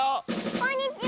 「こんにちは！」